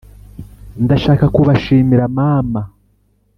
ndashaka kubashimira mama,